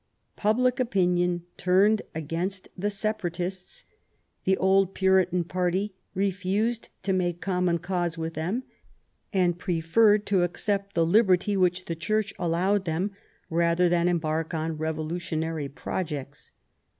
Public opinion turned against the Separatists : the old Puritan party refused to make common cause with them, and preferred to accept the liberty which the Church allowed them rather than embark on revolutionary projects.